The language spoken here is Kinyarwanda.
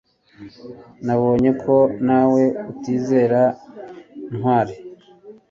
nabonye ko nawe utizera ntwali